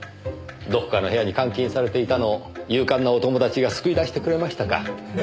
どこかの部屋に監禁されていたのを勇敢なお友達が救い出してくれましたか。